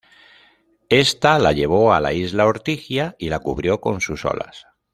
Ésta la llevó a la isla Ortigia y la cubrió con sus olas.